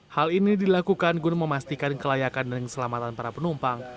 hal ini dilakukan guna memastikan kelayakan dan keselamatan para penumpang